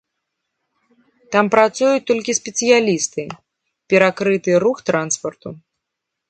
Там працуюць толькі спецыялісты, перакрыты рух транспарту.